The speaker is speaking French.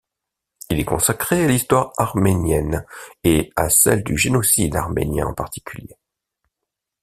Il est consacré à l'histoire arménienne et à celle du génocide arménien en particulier.